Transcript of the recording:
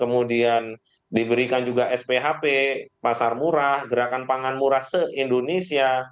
kemudian diberikan juga sphp pasar murah gerakan pangan murah se indonesia